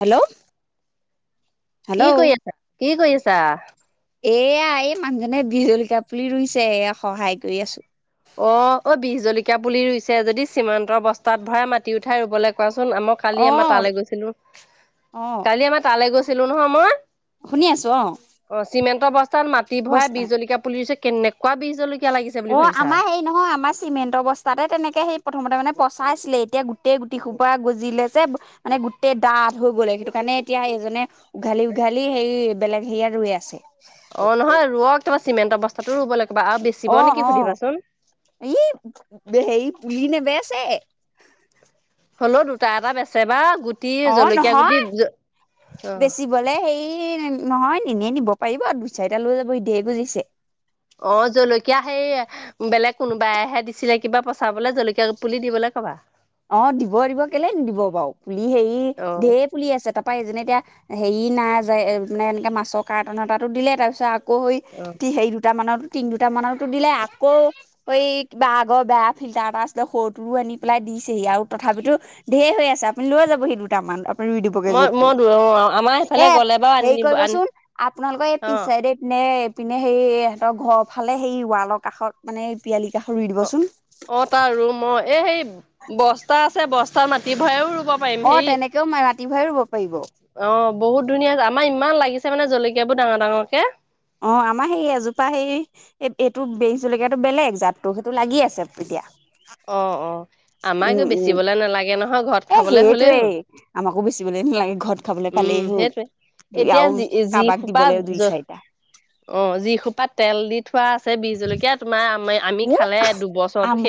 Hello. Hello কি কৰি আছা কি কৰি আছা এয়া এই মানুহজনে বিহলক পুলি ৰুইছে এয়া সহায় কৰি আছো অ অ বিষ জলকীয়া পুলি ৰুইছে যদি সীমান্তৰ বস্তাত ভৰাই মাি উঠাই ৰুবলৈ কোৱাচোন চোন আমাৰ কালি অ আমাৰ তালৈ গৈছিলো অ কালি আমাৰ তালৈ গৈছিলো নহয় মই শুনি আছো অ অ চিমেণ্টৰ াত মাটি ভৰাই বস্তাত বিজ জলকীয়া পুলিছে কেনেকুৱা বজ জলকীয়া লাগিছে অ বুলি ভাবিছা আমাৰ হেৰি নহয় আমাৰ চিমেণ্ট অৱস্থাতে তেনেকে সেই প্ৰথমতে মানে পচাইছিলে এতিয়া গোটেই গুটি খোপা গজিলে যে মানে গোটেই ডাঠ হৈ গ'লে সেইটো কাৰণে এতিয়া এইজনে উঘালি উঘালি সেই বেলেগ হেৰিয়াত ৰৈ আছে অ নহয় ৰক তাৰা চিমেণ্ট অৱস্থাতো ৰব লাগে অ অ ই হেৰি পুলি নেবেছে হলেও দুটা এটা বেচে বা গুটি অ জলকীয়া গুটি নহয় অ', বেচিবলে হেই নহয় নিনে নিব পাৰিব দুই চাৰিটা লৈ যাব ধেৰ গুজিছে অ জলকীয়া সেই বেলেগ কোনোবাইহে দিছিলে কিবা পচাবলৈ জলকীয়া পুলি দিবলৈ কবা অ দিব দিব কেলে নিদিব বাৰু পুলি হেৰি অ', ঢেৰ পুলি আছে তাত পাৰি যেনে এতিয়া হেৰি নাই যোয় মানে এনেকৈ মাছৰ কাৰ্টন এ তটো দিলে তাৰপিছত আক হৈ অ'। সেইৰি দুটামানত তিন দুট মানততো দিলে আকৌ এই কিবা আগৰ বেয়া ফিল্টাৰ এটা আছিলে সৰুটো আনি পেলাই দি দি আৰু তথাপিতো ধঢেৰ হৈ আছে আপুনি লৈ যাব সি দুটামান ৰুই দিবগে মই য'তটো মই দূৰ আমাৰ সেইফালে এ গ'লে বাৰু হেৰি আনিব আনি কৰিবচোন আপোনালোকৰ এই অ পিছাইদ নে পিনে সেই সহঁতৰ ঘৰ ফালে সেই ৱালৰ কাষত মানে এই পিয়ালি কাষত ৰুই অ দিবচোন অ তাৰ ৰুম অ এই সেই বস্তা আছে বস্তা মাটি ভৰাও অ হে তেনেকেও মাটি ভৰাই ৰুব পাৰিব অ বহুত ধুনীয়া আমাৰ ইমান লাগিছে মানে জলকীয়া বোৰ ডাঙৰ ডাঙৰ কে অ আমাৰ সেই এজোপা সেই এই এইটো বংচলকীয়াটো বেলেগ জাততো সেইটো লাগি আছে এতিয়া আহ অ উম আমাকে উম বেচিবলে নালাগে নহয় ঘৰত এ খাবলে হলেই সেইটোৱেই হ'ল আমাকো বেচিবলৈ নালাগে ঘৰত খাবলৈ পালেই উম উ হ'ল সেইটোৱে এতিয়া আৰু যি যি কাৰোবাক খোপা দিবলৈ দুই চাৰিটা অ যিসোপাত তেল দি থোৱা আছে বিজ জলকীয়া তোমাৰ আমাৰ উ আমা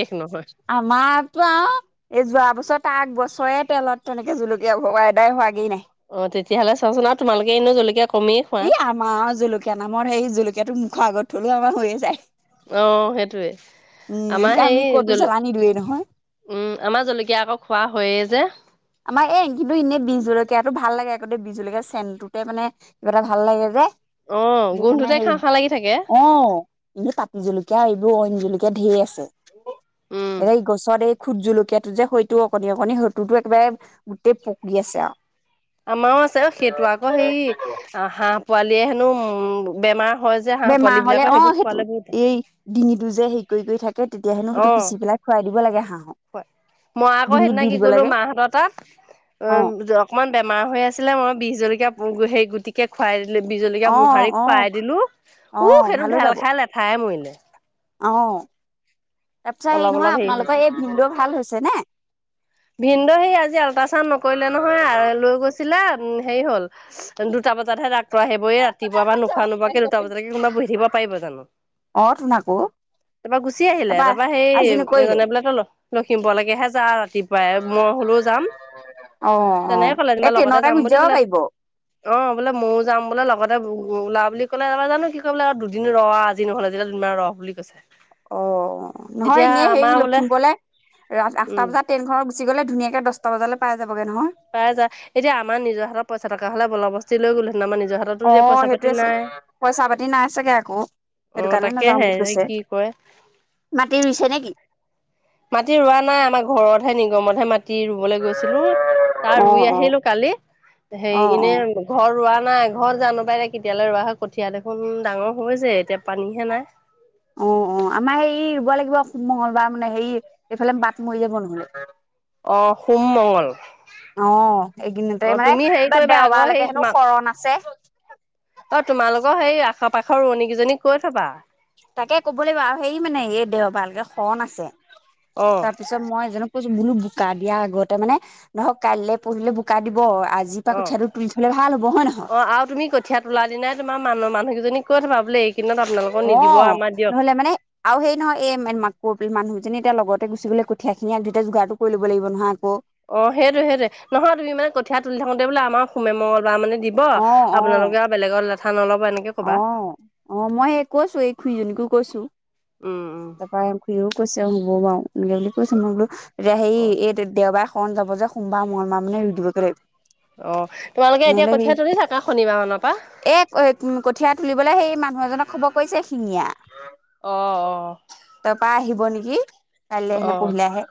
আমাৰতো আৰু এই যোৱা বছৰ ত আগ বছৰে তেলত তেনেকে জুকীয়া ঘা এদাই হোৱাগেই নাহে অ তেতিয়াহ'লে চাচোনা তোমালোকে এনে জলকীয়া কমেই খোৱা এই আমাৰ জলকীয়া নামৰ সেই জলকীয়াটো মুখৰ আগত থলেও আমাৰ হৈয়ে যায় অ সেইটোৱে উম আমাৰ এতিয়া সেই আমি ক'তো জ জ্বালানি দিওঁৱেই নহয় উম আমাৰ জলকীয়া আকৌ খোৱা হয়ে যে আমাৰ এ কিন্তু এনেই বিজ জলকীয়াটো ভাল লাগে আগতে বীজ জলকীয়া চেনটোতে মানে কিবা এটা ভাল লাগে যে অ সেইকাৰণে গোন্ধটোতে সেই খাওঁ খাওঁ লাগি থাকে অ এইবোৰ কতি জলকীয়া এইবোৰ অইন জলুকীয়া কে ধঢেৰ আছে উম এ গছত এই খোট জলকীয়াাতটো যে সতো অকণি অকণনি সততো কিবাৰে গোটেই পকী আছে আৰু আমাৰও আছে সেইটো আকৌ সেই হাঁহ পোৱালিয়ে হেনো উম বেমাৰ হয় যে হাঁহ বেমাৰ পোৱালিব হলে বিলাকে অ সেইবোৰ সেইটো খোৱালে বহুত তাকে তেতিয়াাহেনো অ সেইটো পিচি পেলাই খুৱাই দিব লাগে হাঁহক হয় মই আকৌ ডিঙিত সেইদিনা দি কি দিব কলো লাগে মাহঁতৰ তাক অ অকনমান বেমাৰ হৈ আছিলে মই বিষ জলকীয়া স গুতিকে খুৱাইো বিজলকীয়া অ মোহাৰি অ খুৱাই দিলো অ উ সেইটো ভালো ঢেল যাব খাইল এঠাই মৰিলে অ তাৰপিছত হেৰি অলপ অলপ নহয় হৈছিল আপোনালোকৰ এই ভিনড ভাল হৈছে নে ভিনদ সি আজি আল্ট্ৰাচাউড নকৰিলে নহয় আৰু লৈ গৈছিলা সেই হ'ল দুটা বজাতহে ডাক্তৰ আহিবইে ৰাতিপুৱা বা নোখোৱা নোোৱাকে দুটা বজাতকে কোবা বহি থিব পাৰিব জানো। অ' তোন আকৌ তাৰপৰা গুচি আহিলে তাৰপা আজি সেই নকৰিলে জানে বোলে তো লখিমপুৰলৈকেহে যা ৰাতিপুৱা পাই মই হলেও যাম অ অ তেনেকে ক'লে এই তমা লগতে ট্ৰেইনতে যাম গুচি বুলি যাব ক'লে পাৰিব অ বোলে ময় যাম বোলে লগতে। ত উ ওলা বুলি কলে তাৰাৰ জানো কি কলে আৰু দুদিন ৰ আজি নহ'লে যেতিয়া দুিনমান ৰ বুলি কৈছে। অ' নহয় এতিয়া এনে হেৰি আমাৰ বোলে লখিমপুৰলে ৰা আঠটা উম বজাত ট্ৰেইন খনৰ গুচি গলে ধুনিয়াকে দচটা বজাল পাই যাব পাই যা এতিয়া আমাৰ নিজৰ হাতত পইচা থকা হলে বলৰবস্তি লৈ গলো হেতেন আমাৰ নিজৰ হাততো এতিয়া অ' পইচা পাতি সেইটোয়ে আছিল নাই। পইচা পাতি নাই চাগে আকৌ অ সেইটো কাৰণে নাযাওঁ তাকেহে বুলি এ কৈছে কি কয় মাটি ৰুইছে নে কি। মাটি ৰোৱা নাই আমাৰ ঘৰতহে নিগমতহে মাটি। ৰাতি ৰুবলৈ গৈছিলো তাৰ অ ৰুই অ আহিলো কালি অ সেই অ এনে ঘৰ ৰোৱা। নাই ঘৰত জানো পাই দে কেতিয়ালৈ ৰোৱা হয় কঠীয়া দেখোন ডাঙৰ হৈ যায় এতিয়া পানীহে নাই অ -অ অ' আমাৰ হেৰি ৰুব লাগিব মংগলবাৰ মানে হেৰি এইফালে বাট মৰি যাব নহলে অ সোম মংগল অ অ 'এইকিনতে মানে তুমি হেৰি কিব কৰিবা দেওবাৰলৈৈকে হেনো শৰণ আছে ত তোমালোকৰ সেই আশ পাশৰ ৰোৱনী কেইজনীক কৈ থবা তাকে কব লাগিব আৰু হেৰি মানে এই দেওবালকে শন আছে অ তাৰপিছত মই যো। বোলো বোকা দিয়া আগতে মানে ধৰক কাইলৈ পঢ়িলে বোকা দিব। আজিৰ পৰা অ কঠিয়াটো তুলি থলে ভাল হ'ব হয় নহয় অ আৰু তুমি কঠিয় তোলা দিনাই তোমাৰ মানুহৰ মানুহ। জনী ক'ত ভাবিলে। অ' নহলে মানে আৰু সেই নহয় এই মাক ক মানুহ যে এতিয়া লগতে গুচি গলে কঠীয়াখিনি এক দুইাই যোগাৰো কৰিব লাগিব নহয় আকৌ অ'সেইটো সেইটোয়ে নহয় তুমি মানে কঠীয়াাত তুলি থাকোতে বোলে আমাৰ সোমে মঙল বা মানে দিব অ অ আপোনালোকে আৰু বেলেগত লেথা ন অলপ। অ -অ মই স কৈছো এই খুৰিজনীকো কৈছো উম উম তাৰপৰা ঘুও কৈছেবাও বুলি কৈছে মই বোলো হেই অ এই দেওবাৰ ফন যাব যে সোমবাৰ মঙলবাৰ মানে ৰুই দিব লাগিব অ' তোমালোকে এতিয়া কঠীয়া তুলি থাকা শনিবাৰ মনৰ পৰা এ কঠীয়া তুলিবলৈ সেই মানুহ এজনক খবৰ কৰিছে শিঙীয়া অ- অ তাৰপা আহিব নেকি কাইলৈ আহে অ নে পঢহিলে আহে।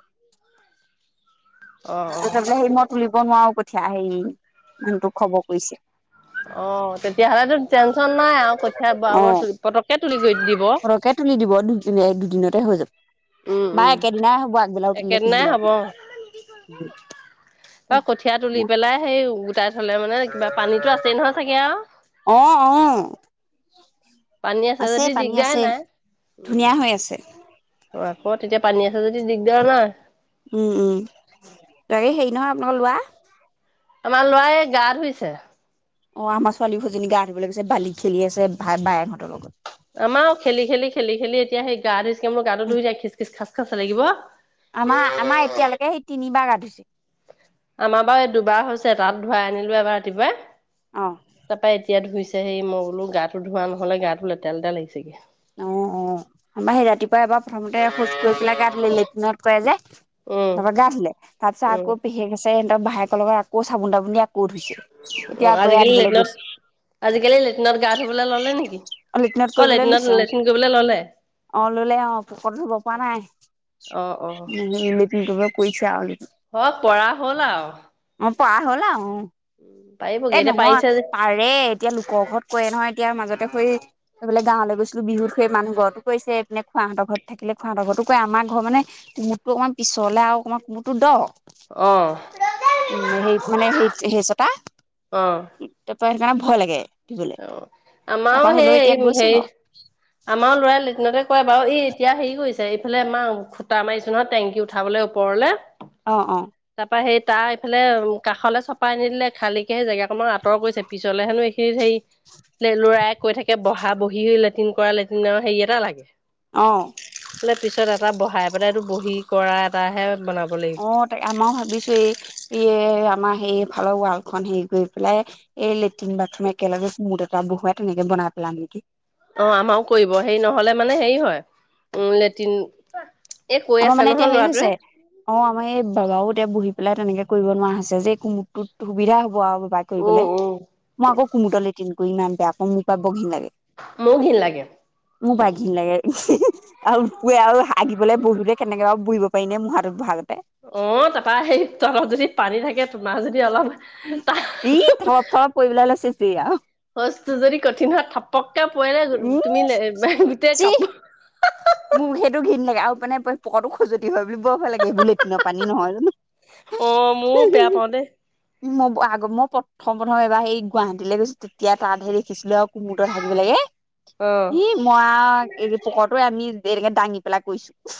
অ অ তে বলে সেই মই তুলিব নোৱাৰো কঠিয়া সেই যোনটোোক খবৰ কৰিছে। অ' তেতিয়াহ'লেো টেনশচন নাই আৰু কঠীয়া বৰা অ বৰ পতককে তুলি গৈ দি সৰহকে তুলি দিব দুদিনে দুদিনতে হৈ যাব। উম বা -উম একেদিনাই হ'ব আগবেলাও তুলিলে একেদিনাই পিছবেলাও হব তুলিলে অ' কঠিয়া তুলি পেলাই সেই তাইত হলে মানে কিবা পানীতো আছেই নহয় চাগে আৰু। অ অ পানী আছে যদি পানী দিগদাৰ আছে নাই উম। ধুনীয়া হৈ আছে অ 'আকৌ তেতিয়া পানী আছে যদি দিগদাৰ নাই উম উম তাকে হেৰি নহয় আপোনাক লোৱা। আমাৰ লৰাই গা ধুইছে। অ' আমাৰ ছোৱালী দুজনী গা ধুবলৈ গৈছে বালি খেলি আছে ভাল পাই বায়েহঁতৰ লগত আমাৰ খেলি খেলি খেলি খেলি এতিয়া সেই গা ধুইচকে মোৰ গাটো ধুই যায় খিচ খিচ খাচ খাচা লাগিব। আমাৰ আমাৰ এতিয়ালৈকে সেই তিনিবাৰ গা ধুইছে। আমাৰ বাৰু এই দুবাৰ হৈছে তাত ধুৱাই আনিলো এবাৰ ৰাতিপুৱাই। অ তাৰপা এতিয়া ধুইছে হেই মই বোলো গাটো ধুৱা নহলে গাটো লেতেৰা লেতেৰা লাগিছেগে অ -অ আমাৰ সেই ৰাতিপুৱা এবাৰ প্ৰথমতে খোজ কৰি পেলাই লেট্ৰিনত কৰে যে উম তাৰপৰা গা ধুলে, তাৰ পিছত উম আকৌ পেহীয়ে কৈছে, সিহঁতৰ ভায়েকৰ লগত আকৌ চাবোন-তাবোন দি কৌ ধুইছে, অ এতিয়া আকৌ এয়া আজিকালি ধুবলৈ লেট্ৰিনত গৈছে। আজিকালি লেটিনত গা ধুবলৈ ল'লে নেকি, লেট্ৰিনত অ' কৰিবলৈ লৈছে অ লেটিনত-লে অ', ল'লে অ', পুকৰটো ধুব পৰা নাই। অ [unintelligible] কৰিছে আৰু লেটিন। অ', পৰা হ'ল আৰু। অ পৰা হ'ল আৰু, উম। এ পাৰিবগে এতিয়া পাৰিছে নহয়, যে পাৰে এতিয়া লোকৰ ঘৰত কৰে নহয়, এতিয়া মাজতে এই এইফালে গাৱলৈ গৈছিলো বিহুত, সেই মানুহ ঘৰতো কৰিছে, এইপিনে খুৰাহঁতৰ ঘৰত থাকিলে খুৰাহঁতৰ ঘৰতো কৰে, আমাৰ ঘৰত মানে কোমোডটো অকণমান পিছলে আৰু অকণমান কোমোদটো দ অ উম, হেৰিত মানে হেৰিত, সেইচটা অ'। সেইটোকাৰণে ভয় লাগে। ধুবলৈ অ', আমাৰো তাৰপৰা হ'লেও এতিয়া সেই গৈছে হেৰি আমাৰো ল'ৰাই লেটিনতে কৰে বাৰু, এই এতিয়া হেৰি কৰিছে, এইফালে আমাৰ খুটা মাৰিছো নহয় টেংকি উঠাবলৈ, ওপৰলে অ' অ'। তাৰপা সেই তাৰ এইফালে কাষলৈ চপাই নিদিলে, খালীকে সেই জেগাকনত আঁতৰ কৰিছে, পিছলে হেনো এইখিনিত হেৰি ল'ৰাই কৈ থাকে বহা-বহি লেট্ৰিন কৰা লেট্ৰিনৰ হেৰি এটা লাগে। অ' বোলে পিছত এটা বহাই পেলাই এইটো বহি কৰা এটাহে বনাব লাগিব। অ', তাক-আমাৰো ভাবিছো এই, এই আমাৰ হেৰি ফালৰ ৱালখন হেৰি কৰি পেলাই, এই লেট্ৰিন বাথৰুম একেলগে কুমুদ এটা বহুৱাই তেনেকে বনাই পেলাম নেকি। অ', আমাৰো কৰিব, হেৰি নহ'লে মানে হেৰি হয়, উম, লেটিন আমাৰ মানে এতিয়া হেৰি হৈছে, অ' আমাৰ এই বাবাও বহি পেলাই তেনেকে কৰিব নোৱাৰা হৈছে যে, এই কুমুডটোত সুবিধা হ'ব বাবাই উম, কৰিবলে, উম। মই আকৌ কুমুদট লেটিন কৰি ইমান বেয়া পাওঁ, মোৰ পাই বোৰ ঘিণ লাগে। মোৰো ঘিণ লাগে। মোৰ পৰা ঘিন লাগে আৰু পুৱে আৰু হাগিবলৈ বহোতে কেনেকে বাৰু বহিব পাৰি নে মুঢ়াটোত বহা গতে। অ', তাৰপৰা সেই তলত যদি পানী থাকে, তোমাৰ যদি অলপ ই থৰপ থৰপ পৰিবলৈ লৈছে যি আৰু শৌচটো যদি কঠিন হয়, ঠপক কে উম পৰিলে তুমি লে-গোটেই যি কাপোৰ মোক সেইটো ঘিণ লাগে আৰু মানে পকৰটো খজতি হয় বুলি বৰ ভয় লাগে, এইবোৰ লেটিনৰ পানী নহয় জানো। অ', মইও বেয়া পাওঁ দেই। মই আগ-মই প্ৰথম প্ৰথম এবাৰ সেই গুৱাহাটীলৈ গৈছিলোঁ, তেতিয়া তাতহে দেখিছিলো আৰু কুমুদত হাগিব লাগে। অ ই মই আৰু, এই পকৰটো আমি এনেকে দাঙি পেলাই কৰিছো।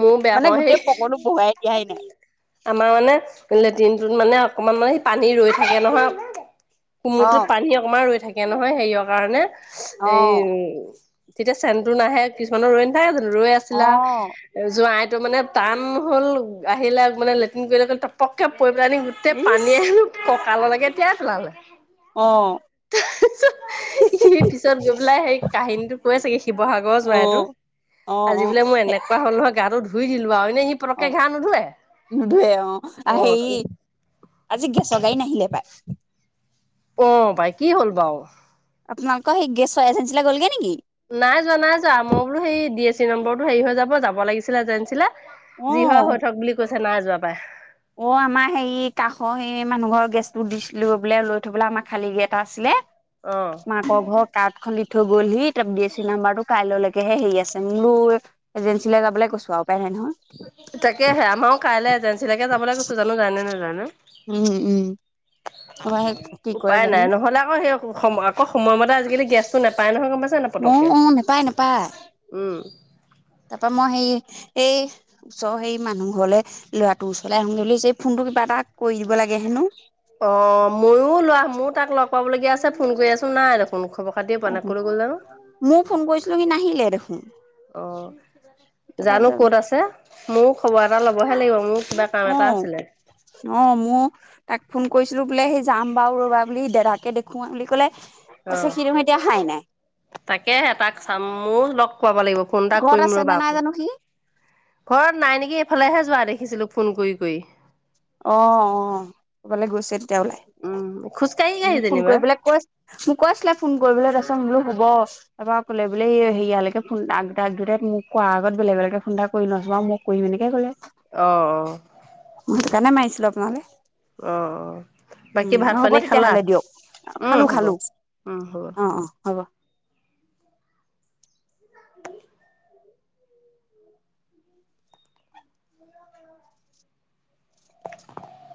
ময়ো বেয়া মানে পাওঁ সেই গোটেই পকৰটো বহুৱাই দিয়াই নাই। আমাৰ মানে লেট্ৰিনটোত মানে অকমান মানে, সেই পানী ৰৈ থাকে নহয় অক অ কুমুদটোত পানী অকমান ৰৈ থাকে নহয়, হেৰিয়ৰ কাৰণে, অ এই তেতিয়া চেনটো নাহে, কিছুমানৰ ৰৈ নাথাকে জানো, ৰৈ আছিলে অ আৰু, জোঁৱাই এইটো মানে টান হ'ল, আহিলে মানে লেট্ৰিন কৰিলে, টপককে কৰি পেলাইনি গোটেই ইচ পানীয়ে কঁকাললৈকে তিয়াই পেলালে। অ'। সি পিছত গৈ পেলাই সেই কাহিনীটো কৈছেগে, শিৱসাগৰৰ অ জোঁৱাইটো। অ অ আজি বোলে মই এনেকুৱা হ'ল নহয়, গাটো ধুই দিলো আৰু, এনেই সি অ পতককে গা নুধুৱে। নুধুৱে, অ', আৰু হেৰি, আজি গেছৰ গাড়ী নাহিলে পাই। অ' পাই, কি হ'ল বাও? আপোনালোকৰ সেই গেছৰ এজেঞ্চিলৈ গ'লগে নেকি? নাই যোৱা নাই যোৱা, মই বোলো সেই ডি এছ চি নম্বৰটো হেৰি হৈ যাব, যাব লাগিছিলে এজেঞ্চিলে যি হয় অ হৈ থক বুলি কৈছে, নাই যোৱা পাই। অ', আমাৰ হেৰি, কাষৰ সেই মানুহ ঘৰৰ গেছটো দিছিলে-বোলে লৈ থ'বলে আমাৰ খালী গেছ এটা আছিলে। অঁ মাকৰ ঘৰৰ কাৰ্ড খ দি থৈ গ'লহি তাৰ ডি এ চি নাম্বাৰতটো কাইলৈ ল তেহে হেৰি আছে মোৰ বো এজেঞ্চীৈ যাবলৈ কৈছো আৰু উপায় নাই নহয় তাকেহে আমাৰো কাইলৈ এজেঞ্চীিলৈকে যাবলৈ কৈছো জানো জানে নোজানে উম উম কি কৰে উপায় জানো নাই নহলে আকৌ সেই সম আকৌ সময়মতে আজিকালি গেছতটো নাপায় নহয় গম পাচান উম উম নোপায় নাপায় উম সেই ওচৰ সেই মানুহ ঘৰলৈ ল'ৰাটোৰ ওচৰলৈ আহোঁ ধলি যে এই ফোনটো কিবা এটা কৰি দিব লাগে হেনো অ ময়ো লোৱা ময় তাক লগ পাবলগীয়া আছে ফোন কৰি আছো নাই দেখ অ ময় ফোন কৰিছিলো কি নাহিলে দেখোন অ তাৰপৰা জানো কত আছে মোৰ খবৰ এটা লবহে লাগিব মোক অ অ ম তাক ফোন কৰিছিলো বোলে সেই যাম বাাৰু ৰ'বা বুলি দোদাকে দেখোৱা বুলি কলে অ তাৰপিছত সি দেখোন এতিয়া অহাই নাই তাকে তাক চাম মোৰ লগ পাব লাগিব ফোন এটা ঘৰত কৰিম আছে ৰব নে নাই আকো জানো সি ঘৰত নাই নেকি এইফালেহে যোৱা দেখি দেখিছিলো ফোন কৰি কৰি অ অ ক'বালৈ গৈছিল তেওঁ ওলাই উম খোজকাঢ়ি কাঢ়ি ফোন যেনিবা কৰিব কৈ মোক কৈছিলে ফোন কৰিবলৈ তছলো হ'ব এাৰ কোলে বোলে এই হেয়ালৈকে ফোন এক দুটাই মোক কোৱাৰ আগত বেলেগ বেলেগে ফোন এটা কৰি ন যোৱা মোক কৰিম এনেকে গ'লে আহ আহ কেনে মাৰিছিলোঁ আপোনালৈ অ অ বাকী ভাত হ'ব পানী খালা তেতিয়াহ'লে দিয়ক উম খালো হ'ব খালো উম হ'ব অ অ হ'ব